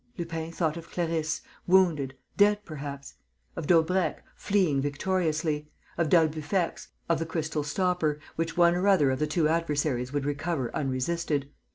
Lupin thought of Clarisse, wounded, dead perhaps; of Daubrecq, fleeing victoriously; of d'Albufex; of the crystal stopper, which one or other of the two adversaries would recover unresisted.